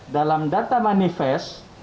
dalam data manifest